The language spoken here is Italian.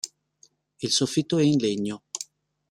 Il soffitto è in legno.